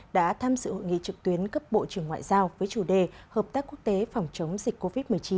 đã tham dự hội nghị trực tuyến cấp bộ trưởng ngoại giao với chủ đề hợp tác quốc tế phòng chống dịch covid một mươi chín